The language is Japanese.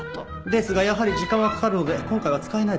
ですがやはり時間はかかるので今回は使えないです。